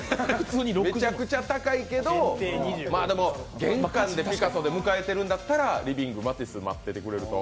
めちゃくちゃ高いけど、でも玄関でピカソが迎えてるんだったらリビング、マティス待っててくれると。